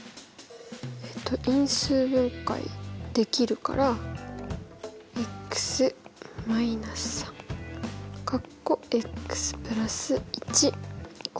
因数分解できるから＝